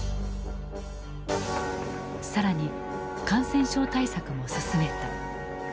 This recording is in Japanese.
更に感染症対策も進めた。